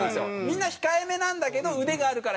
みんな控えめなんだけど腕があるから引っ張る。